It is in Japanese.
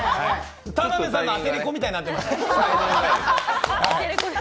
田辺さんのアテレコみたいになってました。